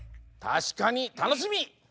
たしかにたのしみ！